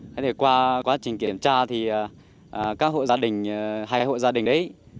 thế thì qua quá trình kiểm tra thì các hộ gia đình hay hộ gia đình đấy